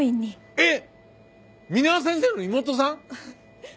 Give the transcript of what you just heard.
えっ皆川先生の妹さん？